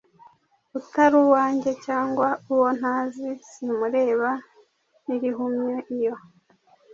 Utari uwange cyangwa uwo ntazi simureba n’irihumye. Iyo